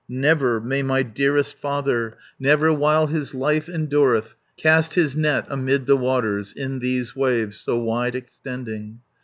Never may my dearest father, Never while his life endureth, Cast his net amid the waters, In these waves, so wide extending.